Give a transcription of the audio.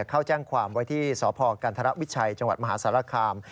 เข้าแจ้งความไว้ที่สพกันธรวิชัยจังหวัดมหาสารคาม